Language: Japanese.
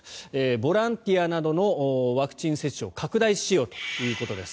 ボランティアなどのワクチン接種を拡大しようということです。